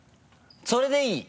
それでいい！